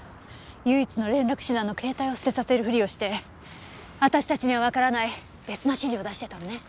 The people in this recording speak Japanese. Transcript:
唯一の連絡手段の携帯を捨てさせるふりをして私たちにはわからない別の指示を出してたのね。